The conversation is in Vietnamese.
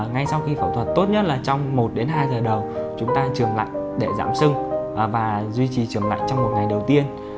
ngay sau khi phẫu thuật tốt nhất là trong một đến hai giờ đầu chúng ta chườm lạnh để giảm sưng và duy trì chườm lạnh trong một ngày đầu tiên